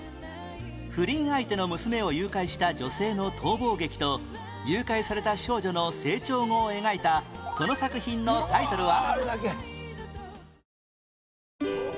不倫相手の娘を誘拐した女性の逃亡劇と誘拐された少女の成長を描いたこの作品のタイトルは？